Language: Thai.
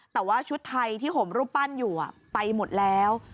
แต่ว่าชุดไทยที่ห่มรูปปั้นอยู่ไปหมดแล้ว